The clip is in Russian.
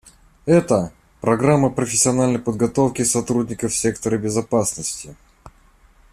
Это — программа профессиональной подготовки сотрудников сектора безопасности.